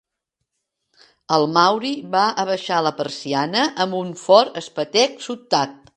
El Maury va abaixar la persiana amb un fort espetec sobtat.